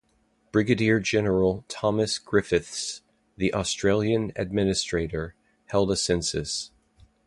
Brigadier-General Thomas Griffiths, the Australian Administrator, held a census.